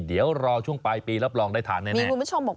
เดี๋ยวรอช่วงปลายปีแล้วปลองได้ฐานแน่